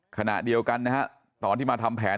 ขณะเดียวกันนะฮะตอนที่มาทำแผน